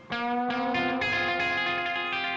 kalo diambil semua